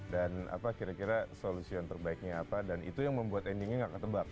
dan apa kira kira solusinya terbaiknya apa dan itu yang membuat endingnya nggak ketebak